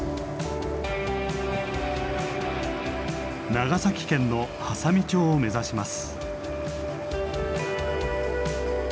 長崎県の波佐見町を目指します。